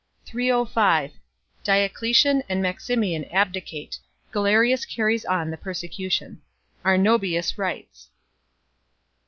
305 Diocletian and Maximian abdicate. Galerius carries on the persecution. Arnobius writes.